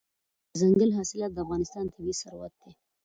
دځنګل حاصلات د افغانستان طبعي ثروت دی.